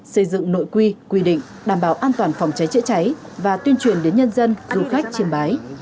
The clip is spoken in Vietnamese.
xây dựng nội quy quy định đảm bảo an toàn phòng cháy chữa cháy và tuyên truyền đến nhân dân du khách trên bái